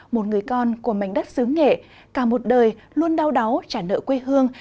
một người con của mảnh đất xứ nghệ cả một đời luôn đau đáu trả nợ quê hương